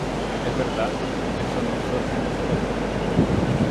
es verdad, ¿ eso no son unos ojos?